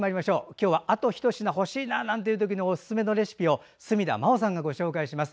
今日はあとひと品欲しいななんて時におすすめのレシピを角田真秀さんがご紹介します。